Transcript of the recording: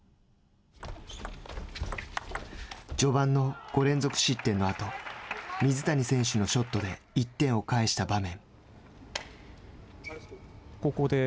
序盤の５連続失点のあと水谷選手のショットで１点を返した場面。